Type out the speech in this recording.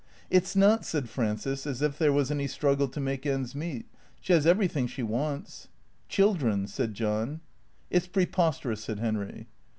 " It 's not," said Frances, " as if there was any struggle to make ends meet. She has everything she wants." " Children " said John. " It 's preposterous," said Henry.